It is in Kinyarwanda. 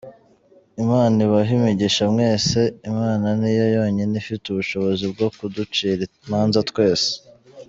Imana ibahe imigisha mwese , Imana niyo yonyine ifite ubushobozi bwo kuducira imanza twese.